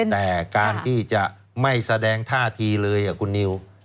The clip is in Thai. แต่การที่จะไม่แสดงท่าทีเลยคุณนิว